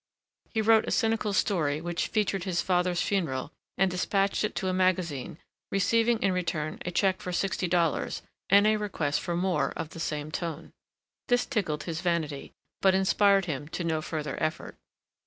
He wrote a cynical story which featured his father's funeral and despatched it to a magazine, receiving in return a check for sixty dollars and a request for more of the same tone. This tickled his vanity, but inspired him to no further effort.